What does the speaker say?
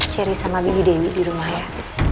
cherry sama bibi dewi di rumah ya